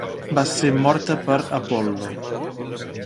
Va ser morta per Apol·lo.